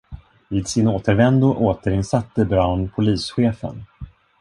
Vid sin återvändo återinsatte Brown polischefen.